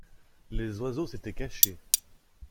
Les oiseaux s’étaient cachés.